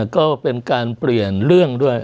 ก็เป็นการเปลี่ยนเรื่องด้วย